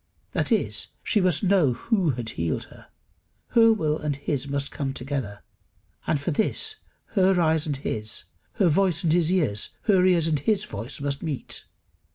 That is, she must know who had healed her. Her will and his must come together; and for this her eyes and his, her voice and his ears, her ears and his voice must meet.